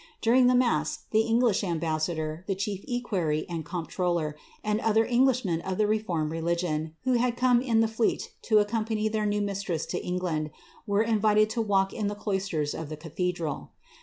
During mass the English ambassador, the ciiief ry and comptroller, and other Englishmen of the reformed religion, had come in the fleet to accompany their new mistress to England, invited to walk in the cloisters of the cathedral.'